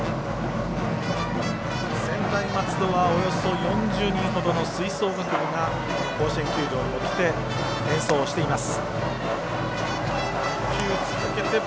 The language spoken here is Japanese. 専大松戸は、およそ４０人ほどの吹奏楽部が、甲子園球場にも来て演奏をしています。